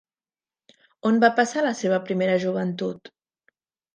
On va passar la seva primera joventut?